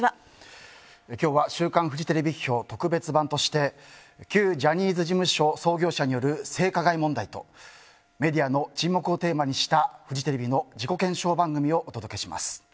今日は「週刊フジテレビ批評特別版」として旧ジャニーズ事務所創業者による性加害問題とメディアの沈黙をテーマにしたフジテレビの自己検証番組をお届けします。